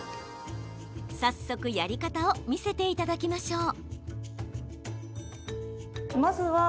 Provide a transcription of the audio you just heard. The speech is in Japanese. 早速、やり方を見せていただきましょう。